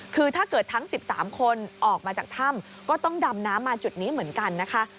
คือถ้าเกิดทั้ง๑๓คนออกมาจากถ้ำก็ต้องดำน้ำมาจุดนี้เหมือนกันนะคะ